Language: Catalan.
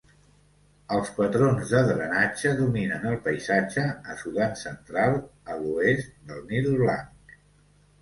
Els patrons de drenatge dominen el paisatge a Sudan central, a l"oest del Nil Blanc.